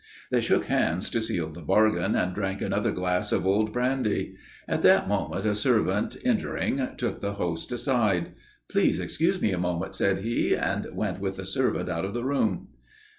They shook hands to seal the bargain and drank another glass of old brandy. At that moment, a servant, entering, took the host aside. "Please excuse me a moment," said he, and went with the servant out of the room.